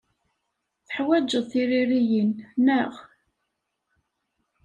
Teḥwajeḍ tiririyin, naɣ?